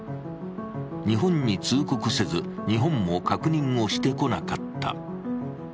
日本に通告せず、日本も確認をしてこなかった。